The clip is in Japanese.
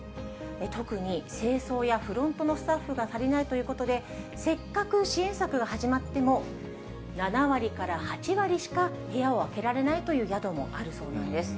特に、清掃やフロントのスタッフが足りないということで、せっかく支援策が始まっても、７割から８割しか部屋を空けられないという宿もあるそうなんです。